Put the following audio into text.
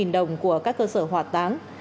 năm trăm linh đồng của các cơ sở hỏa táng